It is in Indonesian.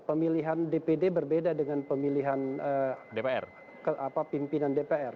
pemilihan dpd berbeda dengan pemilihan pimpinan dpr